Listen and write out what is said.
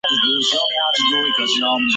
吕克昂迪瓦。